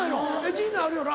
陣内あるよな？